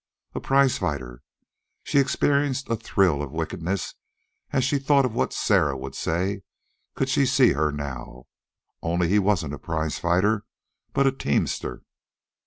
A PRIZE FIGHTER! She experienced a thrill of wickedness as she thought of what Sarah would say could she see her now. Only he wasn't a prizefighter, but a teamster.